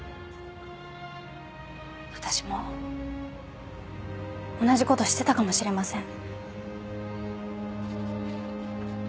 私も同じことしてたかもしれません。